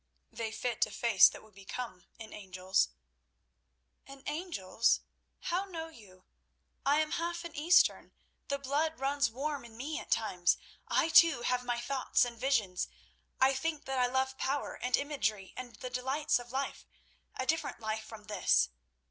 "They fit a face that will become an angel's." "An angel's? How know you? I am half an Eastern; the blood runs warm in me at times. I, too, have my thoughts and visions. I think that I love power and imagery and the delights of life—a different life from this.